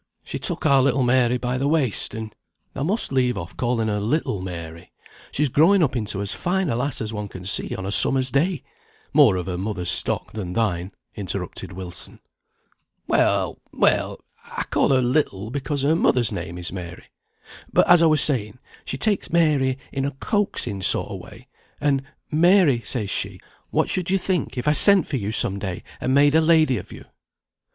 She took our little Mary by the waist, and " "Thou must leave off calling her 'little' Mary, she's growing up into as fine a lass as one can see on a summer's day; more of her mother's stock than thine," interrupted Wilson. "Well, well, I call her 'little,' because her mother's name is Mary. But, as I was saying, she takes Mary in a coaxing sort of way, and, 'Mary,' says she, 'what should you think if I sent for you some day and made a lady of you?'